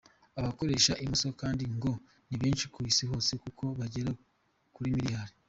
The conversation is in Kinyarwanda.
Abakoresha imoso kandi ngo ni benshi ku Isi hose kuko bagera kuri miliyari.